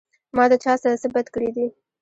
ما د چا سره څۀ بد کړي دي